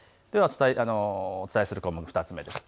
お伝えする項目、２つ目です。